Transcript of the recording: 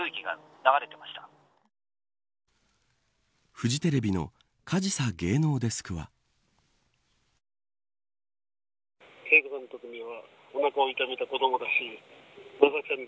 フジテレビの加治佐芸能デスクは。